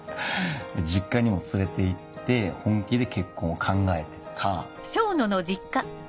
実家にも連れていって本気で結婚を考えてた。